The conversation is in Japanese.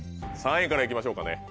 ３位から行きましょうかね